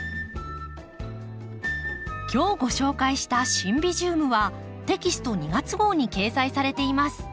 今日ご紹介した「シンビジウム」はテキスト２月号に掲載されています。